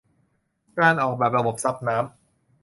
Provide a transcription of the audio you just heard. การออกแบบระบบซับน้ำ